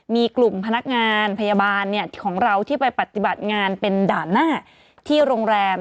มีกลุ่มพนักงานพยาบาลของเราที่ไปปฏิบัติงานเป็นด่านหน้าที่โรงแรม